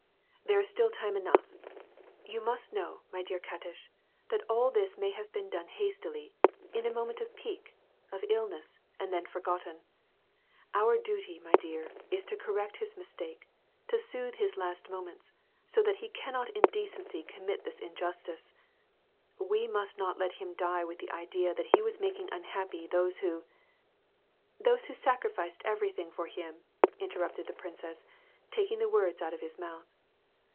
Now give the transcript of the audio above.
"There is still time enough, my^ >'—•'" You must know, my dear Katish, that all this may ha;l>le. "J^Avne hastily, in a moment of pique, of illness, and then • ^otten. Our duty, my dear, is to correct his mistake, to sootlie his last moments, 80 that he cannot in decency commit this injustice ; we must not let him die with the idea that he was making unhappy those who "— "Those who have sacrificed everything for him," inter rupted the princess, taking the words out of his mouth.